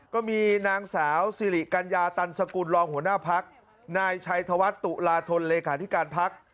ก็มีนางสาวสิริกัญญาตันสกุลรองหัวหน้าพักนายชัยธวัฒน์ตุลาธนเลขาธิการพัก